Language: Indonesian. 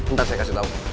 ntar saya kasih tau